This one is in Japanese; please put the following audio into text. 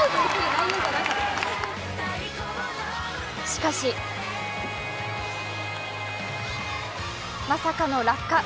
しかしまさかの落下。